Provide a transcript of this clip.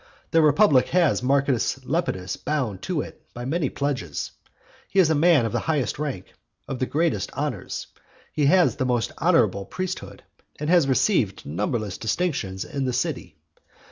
The republic has Marcus Lepidus bound to it by many pledges. He is a man of the highest rank, of the greatest honours, he has the most honourable priesthood, and has received numberless distinctions in the city.